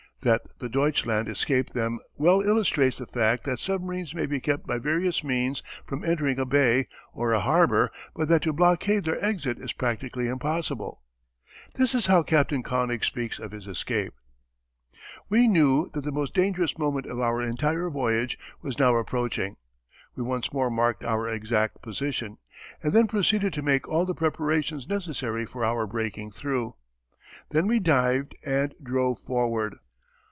That the Deutschland escaped them well illustrates the fact that submarines may be kept by various means from entering a bay or a harbour, but that to blockade their exit is practically impossible. This is how Captain König speaks of his escape. We knew that the most dangerous moment of our entire voyage was now approaching. We once more marked our exact position, and then proceeded to make all the preparations necessary for our breaking through. Then we dived and drove forward.